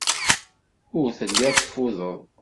Ur telliḍ teffudeḍ.